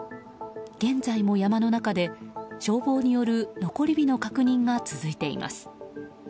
現在も山の中で消防による残り火の確認が続いています。